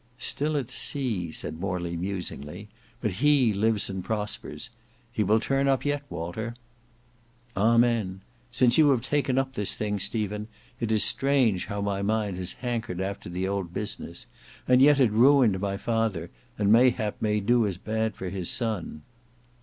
"Still at sea," said Morley musingly, "but he lives and prospers. He will turn up yet, Walter." "Amen! Since you have taken up this thing, Stephen, it is strange how my mind has hankered after the old business, and yet it ruined my father, and mayhap may do as bad for his son."